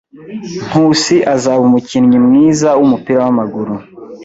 Nkusi azaba umukinnyi mwiza wumupira wamaguru.